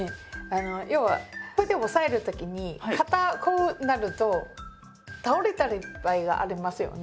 要はこうやって押さえる時に片方になると倒れたり場合がありますよね。